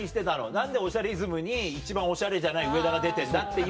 「何で『おしゃれイズム』に一番おしゃれじゃない上田が出てんだ」っていう。